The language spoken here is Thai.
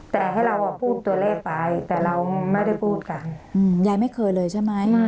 แต่ให้เราพูดตัวเลขไปแต่เราไม่ได้พูดกันยายไม่เคยเลยใช่ไหม